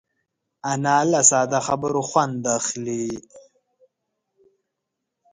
انا له ساده خبرو خوند اخلي